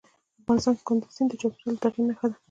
افغانستان کې کندز سیند د چاپېریال د تغیر نښه ده.